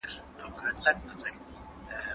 د دندو لړلیک جوړول کارونه اسانوي.